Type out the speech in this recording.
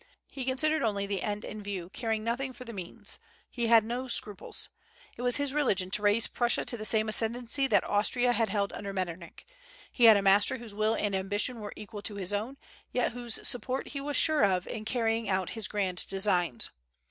He considered only the end in view, caring nothing for the means: he had no scruples. It was his religion to raise Prussia to the same ascendency that Austria had held under Metternich. He had a master whose will and ambition were equal to his own, yet whose support he was sure of in carrying out his grand designs.